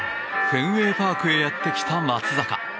フェンウェイ・パークへやってきた松坂。